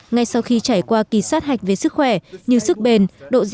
ngay sau khi trải qua kỳ sát hạch về sức khỏe như sức bền độ